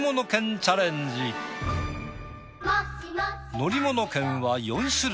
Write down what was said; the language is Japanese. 乗り物券は４種類。